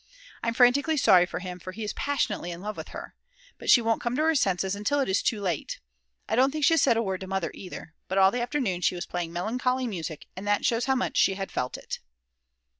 I'm frantically sorry for him, for he is passionately in love with her. But she won't come to her senses until it is too late. I don't think she has said a word to Mother either. But all the afternoon she was playing melancholy music, and that shows how much she had felt it.